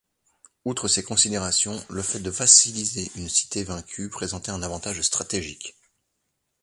Outre ces considérations, le fait de vassaliser une cité vaincue présentait un avantage stratégique.